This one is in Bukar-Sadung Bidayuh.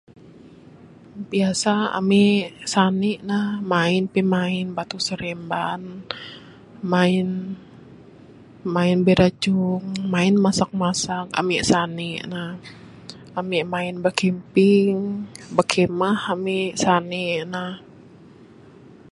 Biasa ami sani ne main pimain batu seremban, main, main birajung, main masak masak ami sani ne. Ami main bercamping, berkhemah ami sani ne.